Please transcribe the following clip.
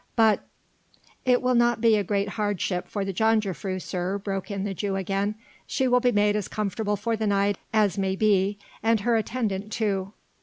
"But...." "It will not be a great hardship for the jongejuffrouw, sir," broke in the Jew again, "she will be made as comfortable for the night as maybe she and her attendant too.